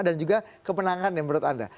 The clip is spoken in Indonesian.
dan juga kemenangan menurut anda